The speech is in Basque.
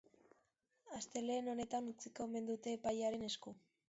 Astelehenen honetan utziko omen dute epailearen esku.